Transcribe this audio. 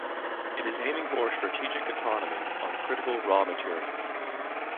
It is aiming for strategic autonomy on critical raw materials.